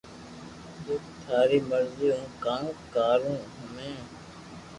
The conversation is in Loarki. جي تاري مرزي ھون ڪاوُ ڪارو ھمي